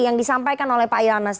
yang disampaikan oleh pak yohanas